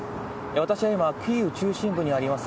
私は今、キーウ中心部にあります